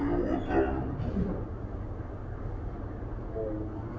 โปรดติดตามตอนต่อไป